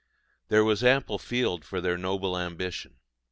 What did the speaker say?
There was ample field for their noble ambition.